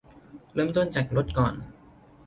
เริ่มต้นจากลดก่อน